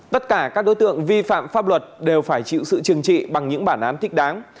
tất cả các đối tượng vi phạm pháp luật đều phải chịu sự trừng trị bằng những bản án thích đáng